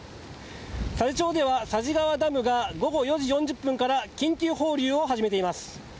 佐治町では佐治川ダムが午後４時４０分から緊急放流を始めています。